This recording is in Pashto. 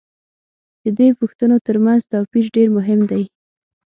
د دې پوښتنو تر منځ توپیر دېر مهم دی.